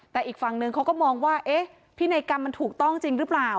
แต่อีกฝั่งหนึ่งเขาก็มองว่าเอ๊ะพินัยกรรมมันถูกต้องจริงหรือเปล่า